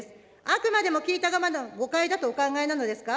あくまでも聞いた側の誤解だとお考えなのですか。